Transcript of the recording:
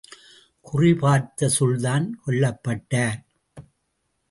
குறிபார்த்த சுல்தான் கொல்லப்பட்டார்!